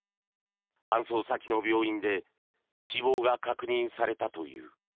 搬送先の病院で死亡が確認されたという。